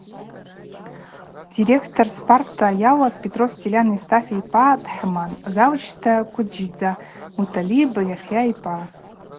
Директорта Спарта йауаз Петров Стилян Евстафий йпа дхӏыман, завучта – Кӏвыждза Мутӏалиб Йахӏйа йпа.